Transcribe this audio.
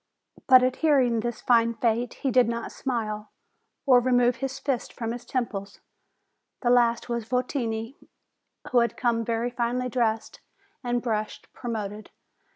but, at hearing this fine fate, he did not smile, or remove his fists from his temples. The last was Votini, who had come very finely dressed and brushed, promoted.